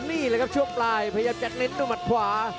นี่แหละครับช่วงปลายพยายามจะเน้นด้วยหมัดขวา